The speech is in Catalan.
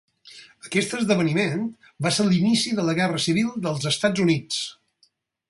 Aquest esdeveniment va ser l'inici de la Guerra Civil dels Estats Units.